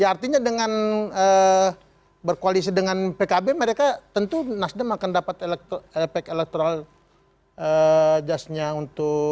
ya artinya dengan berkoalisi dengan pkb mereka tentu nasdem akan dapat efek elektoral justnya untuk